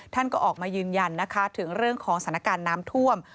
ท่านก็ออกมายืนยันนะคะถึงเรื่องของสถานการณ์น้ำท่วม